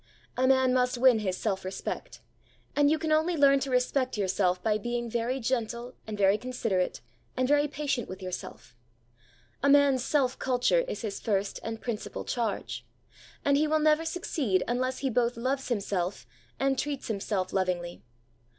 A man must win his self respect; and you can only learn to respect yourself by being very gentle and very considerate and very patient with yourself. A man's self culture is his first and principal charge; and he will never succeed unless he both loves himself and treats himself lovingly.